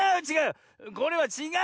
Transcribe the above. これはちがうのよ。